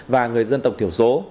và người dân tộc thiểu số